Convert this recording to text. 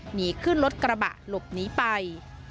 หนีขึ้นรถกระบะหลบหนีไป